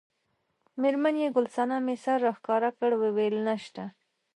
میرمن یې ګل صمنې سر راښکاره کړ وویل نشته.